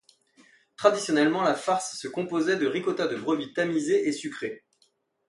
Traditionnellement, la farce se composait de ricotta de brebis tamisée et sucrée.